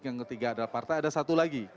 yang ketiga adalah partai ada satu lagi